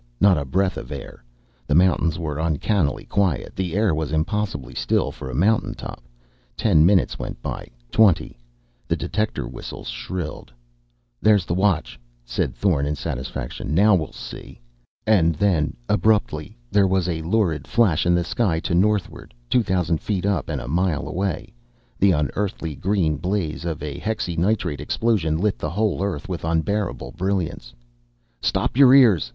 Not a breath of air. The mountains were uncannily quiet. The air was impossibly still, for a mountain top. Ten minutes went by. Twenty. The detector whistles shrilled. "There's the Watch," said Thorn in satisfaction. "Now we'll see!" And then, abruptly, there was a lurid flash in the sky to northward. Two thousand feet up and a mile away, the unearthly green blaze of a hexynitrate explosion lit the whole earth with unbearable brilliance. "Stop your ears!"